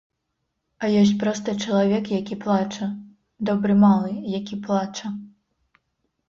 А ёсць проста чалавек, які плача, добры малы, які плача.